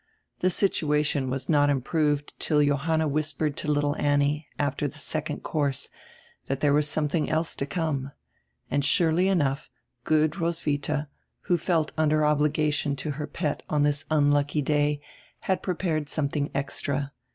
The situation was not improved till Johanna whispered to little Annie, after tire second course, that there was some thing else to conre. And surely enough, good Roswitha, who felt under obligation to her pet on this unlucky da)', had prepared something extra.